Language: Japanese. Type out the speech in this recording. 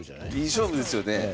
いい勝負ですよね。